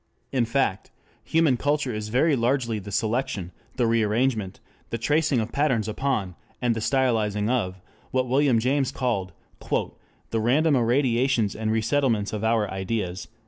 In fact, human culture is very largely the selection, the rearrangement, the tracing of patterns upon, and the stylizing of, what William James called "the random irradiations and resettlements of our ideas."